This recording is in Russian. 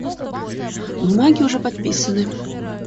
Бумаги уже подписаны.